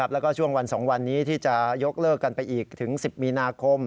แล้วก็ช่วงวัน๒วันนี้ที่จะยกเลิกกันไปอีกถึง๑๐มีนาคม